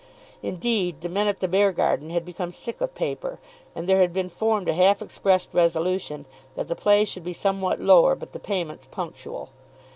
Indeed the men at the Beargarden had become sick of paper, and there had been formed a half expressed resolution that the play should be somewhat lower, but the payments punctual.